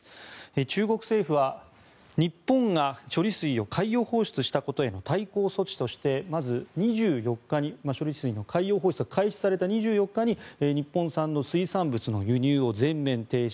中国政府は日本が処理水を海洋放出したことへの対抗措置としてまず、処理水の海洋放出が開始された２４日に日本産の水産物の輸入を全面停止。